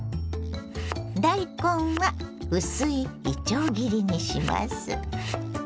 大根は薄いいちょう切りにします。